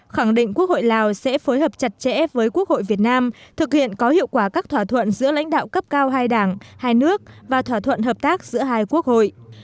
khẳng định quốc hội lào sẽ phối hợp chặt chẽ với quốc hội việt nam thực hiện có hiệu quả các thỏa thuận giữa lãnh đạo cấp cao hai đảng hai nước và thỏa thuận hợp tác giữa hai quốc hội